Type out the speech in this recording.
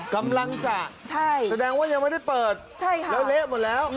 กำลังจะแสดงว่ายังไม่ได้เปิดแล้วเละหมดแล้ว